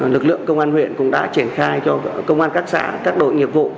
lực lượng công an huyện cũng đã triển khai cho công an các xã các đội nghiệp vụ